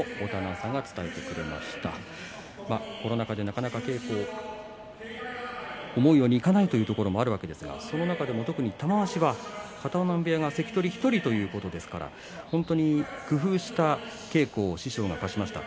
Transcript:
コロナ禍でなかなか稽古が思うようにいかないということもあるわけですがその中でも玉鷲は片男波部屋が関取１人ということで本当に工夫した稽古を師匠が明かしました。